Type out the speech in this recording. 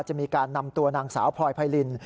จะมีการนำตัวนางสาวพลอยไพริน